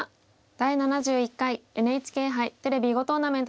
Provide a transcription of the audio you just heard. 「第７１回ＮＨＫ杯テレビ囲碁トーナメント」です。